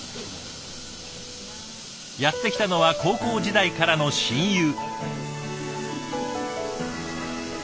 やって来たのは高校時代からの親友。